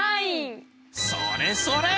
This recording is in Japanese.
それそれ！